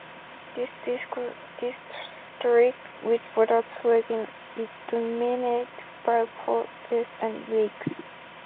This district, which borders Sweden, is dominated by forests and lakes.